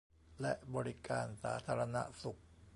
และบริการสาธารณสุข